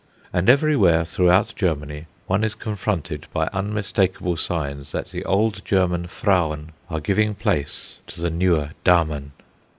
And everywhere throughout Germany one is confronted by unmistakable signs that the old German Frauen are giving place to the newer Damen.